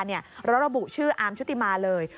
ระบุชื่ออามชุติมาเลย